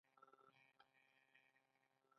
لومړی ځل تیل په مسجد سلیمان کې وموندل شول.